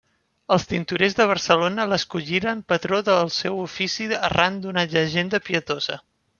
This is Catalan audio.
Els tintorers de Barcelona l'escolliren patró del seu ofici arran d'una llegenda pietosa.